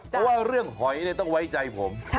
เพราะว่าเรื่องหอยต้องไว้ใจผม